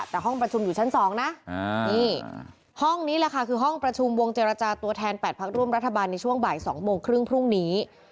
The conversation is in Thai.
แต่ห้องประชุมอยู่ชั้น๒นะนี่ห้องนี้แหละค่ะคือห้องประชุมวงเจรจาตัวแทน๘พักร่วมรัฐบาลในช่วงบ่าย๒โมงครึ่งพรุ่งนี้